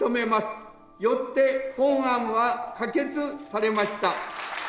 よって本案は可決されました。